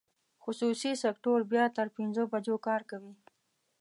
خصوصي سکټور بیا تر پنځو بجو کار کوي.